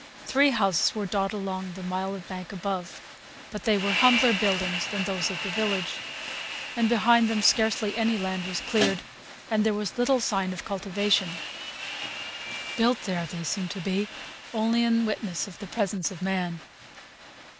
Three houses were dotted along the mile of bank above; but they were humbler buildings than those of the village, and behind them scarcely any land was cleared and there was little sign of cultivation: built there, they seemed to be, only in witness of the presence of man.